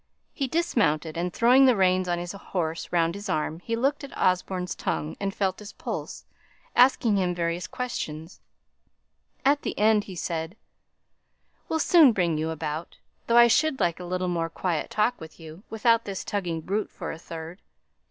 He dismounted, and throwing the reins of his horse round his arm, he looked at Osborne's tongue and felt his pulse, asking him various questions. At the end he said, "We'll soon bring you about, though I should like a little more quiet talk with you, without this tugging brute for a third.